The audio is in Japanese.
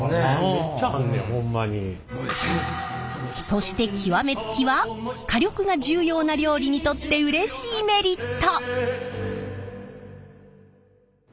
そして極め付きは火力が重要な料理にとってうれしいメリット！